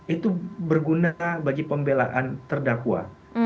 itu berguna bagi pembelaan terdakwa